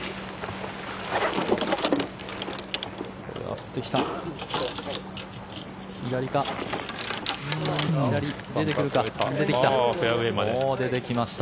振ってきた。